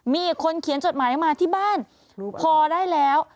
มีอีกคนเขียนจดหมายมาที่บ้านพอได้แล้ว